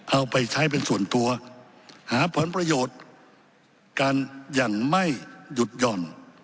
เอาไปใช้เป็นส่วนตัวหาผลประโยชน์กันอย่างไม่หยุดหย่อน